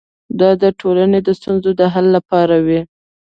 دا د ټولنې د ستونزو د حل لپاره وي.